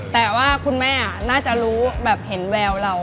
แต่ว่าคุณแม่น่าจะรู้แบบเห็นแววเรา